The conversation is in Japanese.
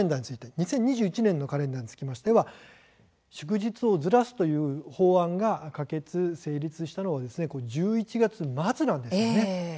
２０２１年のカレンダーにつきましては祝日をずらすという法案が可決、成立したのは１１月の末なんです。